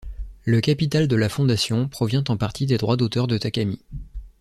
Le capital de la fondation provient en partie des droits d'auteur de Takami.